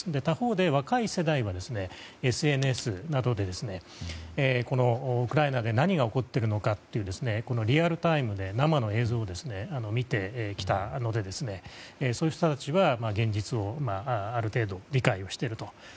他方で、若い世代がＳＮＳなどでウクライナで何が起こっているのかリアルタイムで生の映像を見てきたのでそういう人たちは現実を、ある程度理解をしていると。